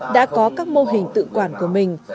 đã có các mô hình tự quản của mình